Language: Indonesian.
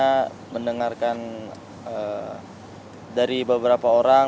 saya mendengarkan dari beberapa orang